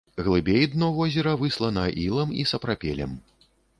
Глыбей дно возера выслана ілам і сапрапелем.